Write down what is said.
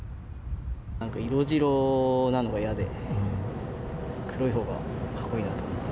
なんか色白なのが嫌で、黒いほうがかっこいいなと思って。